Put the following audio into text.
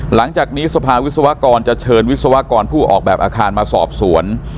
หลังจากนี้สภาวิศวกรจะเชิญวิศวกรผู้ออกแบบอาคารมาสอบสวน